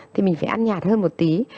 thì mình phải ăn nhạt hơn một tí